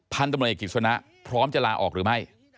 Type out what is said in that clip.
พันธุ์ตำรวจเอกกิจสนะพร้อมจะลาออกหรือไม่